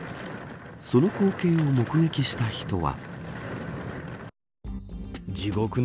その光景を目撃した人は。